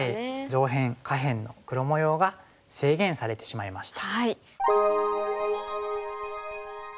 上辺下辺の黒模様が制限されてしまいました。